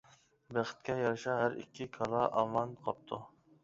بەختكە يارىشا ھەر ئىككى كالا ئامان قاپتۇ.